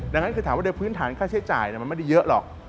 ดังนั้นคือถามว่าโดยพื้นฐานค่าใช้จ่ายมันไม่ได้เยอะหรอก